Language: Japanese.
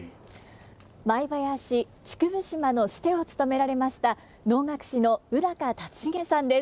舞囃子「竹生島」のシテを務められました能楽師の宇竜成さんです。